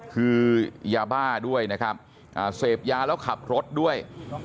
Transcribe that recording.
คือยาบ้าด้วยนะครับเสพยาแล้วขับรถด้วย